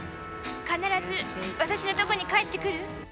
必ず私のところに帰ってくる？